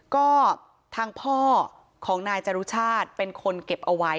ก็ทางพ่อของนายจรุชาติเป็นคนเก็บเอาไว้